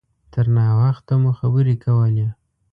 تر ناوخته مو خبرې کولې.